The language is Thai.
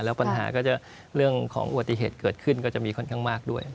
แล้วปัญหาก็จะเรื่องของอุบัติเหตุเกิดขึ้นก็จะมีค่อนข้างมากด้วย